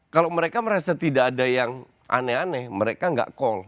kalau mereka merasa tidak ada yang aneh aneh mereka nggak call